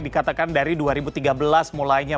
dikatakan dari dua ribu tiga belas mulainya